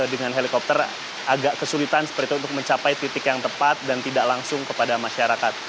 dengan helikopter agak kesulitan seperti itu untuk mencapai titik yang tepat dan tidak langsung kepada masyarakat